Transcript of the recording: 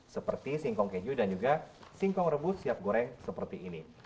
seperti singkong keju dan juga singkong rebus siap goreng seperti ini